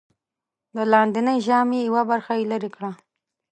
د لاندېنۍ ژامې یوه برخه یې لرې کړه.